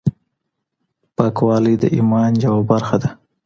پاکوالی د ايمان يوه برخه ده.